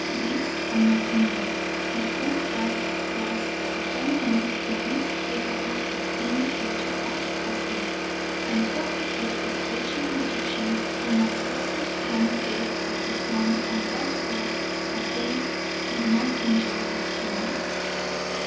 This and nothing more. But Bonaparte was of all men the least capable of seeing such a fact as this, and so he kept stretching the Egyptians on a Procrustean bed of reform, and was wroth that they did not enjoy the experience.